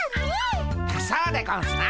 そうでゴンスな。